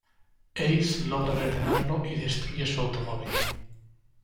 Ace logra detenerlo y destruye su automóvil.